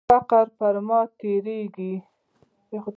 فقیر پرې ماتیږي.